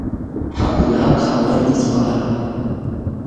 حق د حق خاوند ته وسپارم.